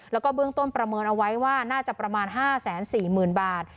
แล้วก็เบื้องต้นประเมินเอาไว้ว่าน่าจะประมาณห้าแสนสี่หมื่นบาท